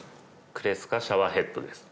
クレスカシャワーヘッドです。